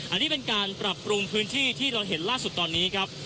อันนี้เป็นการปรับปรุงพื้นที่ที่เราเห็นล่าสุดตอนนี้ครับ